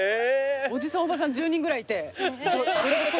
おじさんおばさん１０人ぐらいいて。